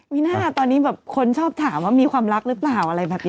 วิน่าตอนนี้แบบคนชอบถามว่ามีความรักหรือเปล่าอะไรแบบนี้